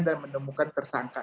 dan menemukan tersangka